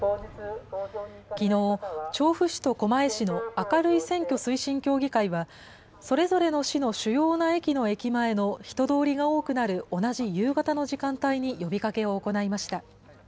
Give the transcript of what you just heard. きのう、調布市と狛江市の明るい選挙推進協議会は、それぞれの市の主要な駅の駅前の人通りが多くなる同じ夕方の時間帯に呼びかけを行いました。